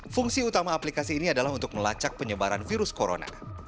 fungsi utama aplikasi ini adalah untuk melacak penyebaran virus corona